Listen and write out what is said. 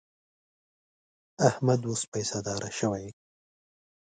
احمد اوس پیسهدار شوی.